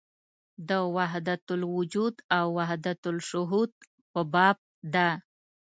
د وحدت الوجود او وحدت الشهود په باب ده.